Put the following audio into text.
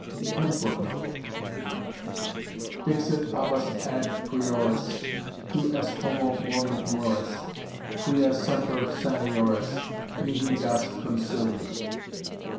] 'Dixit Abbas ad Prioris, Tu es homo boni moris, Quia semper sanioris Mihi das concilia.'